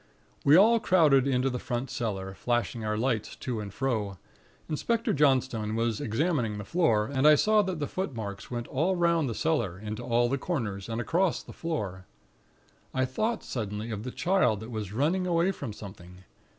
"We all crowded into the front cellar, flashing our lights to and fro. Inspector Johnstone was examining the floor, and I saw that the footmarks went all 'round the cellar, into all the corners, and across the floor. I thought suddenly of the Child that was running away from Something.